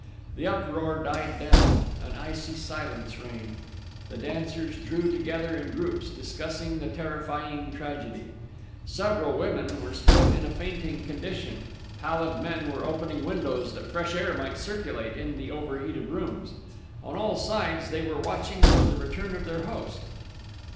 The uproar died down; an icy silence reigned. The dancers drew together in groups discussing the terrifying tragedy.... Several women were still in a fainting condition; pallid men were opening windows that fresh air might circulate in the overheated rooms; on all sides they were watching for the return of their host.